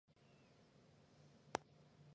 延熙十五年刘琮被立为西河王。